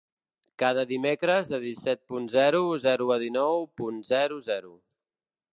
Cada dimecres de disset punt zero zero a dinou punt zero zero.